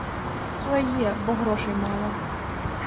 Свае, бо грошай мала.